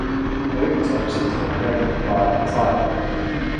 Both top seeds were claimed by tiebreaker.